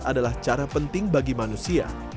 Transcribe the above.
adalah cara penting bagi manusia